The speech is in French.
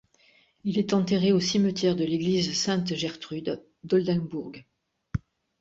Il est enterré au cimetière de l'église Sainte-Gertrude d'Oldenbourg.